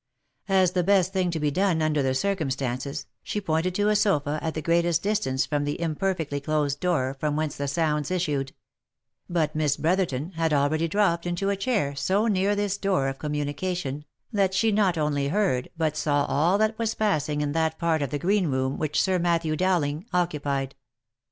As the best thing' to be done under the cir cumstances ; she pointed to a sofa at the greatest distance from the imperfectly closed door from whence the sounds issued ; but Miss Brotherton had already dropped into a chair so near this door of com munication that she not only heard, but saw all that was passing in that part of the green room which Sir Matthew Dowling occupied.